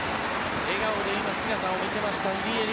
笑顔で今姿を見せました入江。